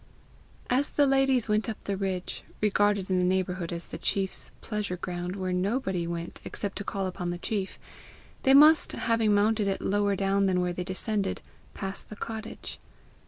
As the ladies went up the ridge, regarded in the neighbourhood as the chief's pleasure ground where nobody went except to call upon the chief, they must, having mounted it lower down than where they descended, pass the cottage.